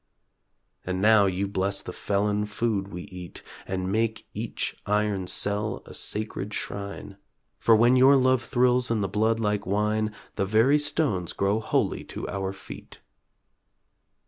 And now you bless the felon food we eat And make each iron cell a sacred shrine; For when your love thrills in the blood like wine, The very stones grow holy to our feet.